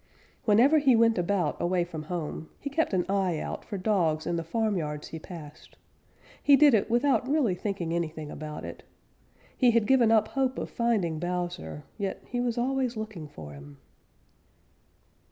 Whenever he went about away from home, he kept an eye out for dogs in the farmyards he passed. He did it without really thinking anything about it. He had given up hope of finding Bowser, yet he was always looking for him.